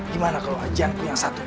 gimana kalau hajianku yang satu itu